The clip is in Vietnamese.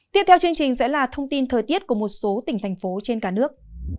tiếp theo chương trình sẽ là thông tin thời tiết của một số tỉnh thành phố trên cả nước